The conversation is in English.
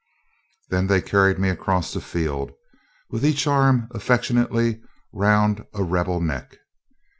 Then they carried me across the field, with each arm affectionately round a rebel neck.